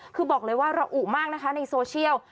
คือบอกเลยว่าระอุมากนะคะในโซเชียล